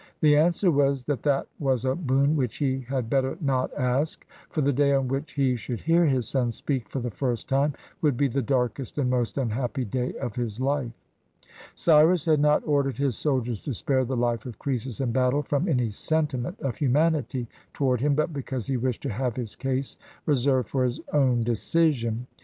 The answer was, that that was a boon which he had better not ask; for the day on which he should hear his son speak for the first time would be the darkest and most unhappy day of his life. ■ Cyrus had not ordered his soldiers to spare the life of Croesus in battle from any sentiment of humanit} toward him, but because he wished to have his case reserved for his own decision.